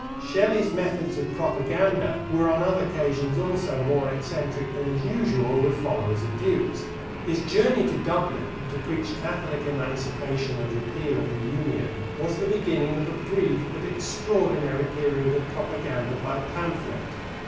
Shelley's methods of propaganda were on other occasions also more eccentric than is usual with followers of dukes. His journey to Dublin to preach Catholic Emancipation and repeal of the Union was, the beginning of a brief but extraordinary period of propaganda by pamphlet.